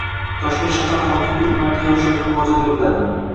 Toshkent shahar hokimi ilk marta yoshlarga murojaat yo‘llaydi